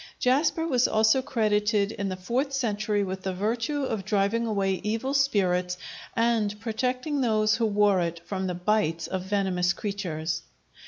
Jasper was also credited in the fourth century with the virtue of driving away evil spirits and protecting those who wore it from the bites of venomous creatures.